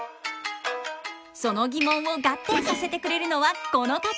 その疑問を合点させてくれるのはこの方！